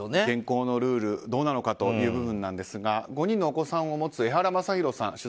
現行のルールどうなのかという部分ですが５人のお子さんを持つエハラマサヒロさん